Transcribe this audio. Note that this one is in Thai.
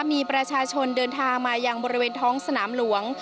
มีประชาชนเดินทางมายังบริเวณท้องสนามหลวง